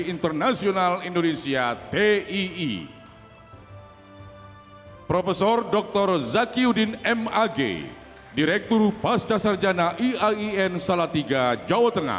internasional indonesia tii profesor doktor zakyudin mag direktur basta sarjana iain salatiga jawa tengah